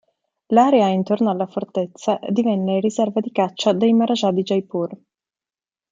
L'area attorno alla fortezza divenne riserva di caccia dei Maharaja di Jaipur.